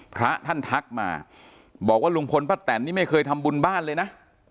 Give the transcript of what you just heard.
พระท่านทักมาบอกว่าลุงพลป้าแตนนี่ไม่เคยทำบุญบ้านเลยนะ